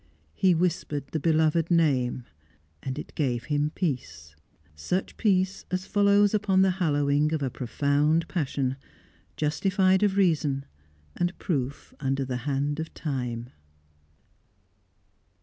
He whispered the beloved name, and it gave him peace; such peace as follows upon the hallowing of a profound passion, justified of reason, and proof under the hand of time.